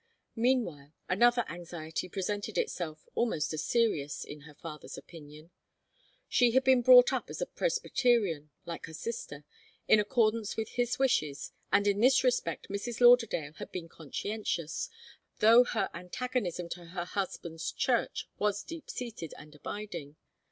Meanwhile, another anxiety presented itself, almost as serious, in her father's opinion. She had been brought up as a Presbyterian, like her sister, in accordance with his wishes, and in this respect Mrs. Lauderdale had been conscientious, though her antagonism to her husband's church was deep seated and abiding.